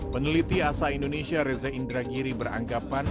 peneliti asa indonesia reza indragiri beranggapan